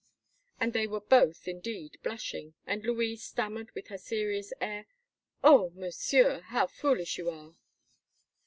And they were both, indeed, blushing, and Louise stammered with her serious air: "Oh! Monsieur, how foolish you are!"